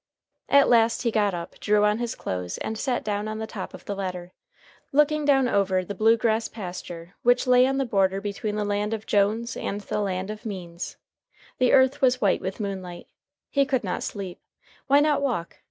At last he got up, drew on his clothes, and sat down on the top of the ladder, looking down over the blue grass pasture which lay on the border between the land of Jones and the land of Means. The earth was white with moonlight. He could not sleep. Why not walk?